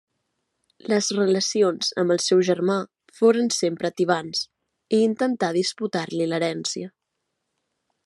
Les relacions amb el seu germà foren sempre tibants, i intentà disputar-li l'herència.